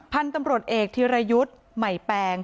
พันธุ์ตำรวจเอกธิรยุทธ์ใหม่แปลง